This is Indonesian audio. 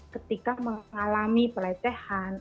ketika mengalami peletehan